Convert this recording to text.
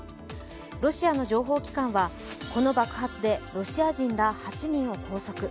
ロシアの情報機関は、この爆発でロシア人ら８人を拘束。